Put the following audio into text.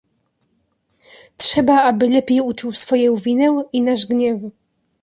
"Trzeba aby lepiej uczuł swoję winę i nasz gniew."